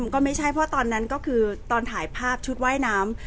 ก็ไม่ใช่เพราะตอนนั้นก็คือตอนถ่ายภาพชุดว่ายน้ำ